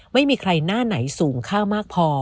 ไม่มีใครหน้าไหนสูงข้าวมากพอ